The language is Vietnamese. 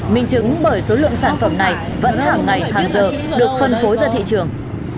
minh chứng bởi số lượng sản phẩm này vẫn hàng ngày hàng giờ được phân phối ra thị trường